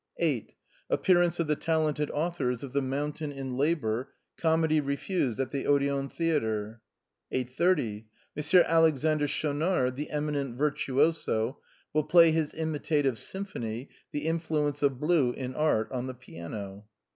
8. — Appearance of the talented authors of " The Mountain in Labor " comedy refused at the Odeon Theatre. 8.30. — M. Alexander Schaunard, the eminent virtuoso, will play his imitative s3'mphony, " The Influence of Blue in Art," on the piano.